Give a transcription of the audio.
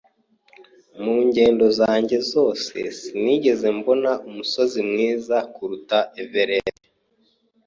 Mu ngendo zanjye zose sinigeze mbona umusozi mwiza kuruta Everest